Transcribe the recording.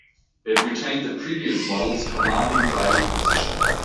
It retained the previous model's commanding driving position.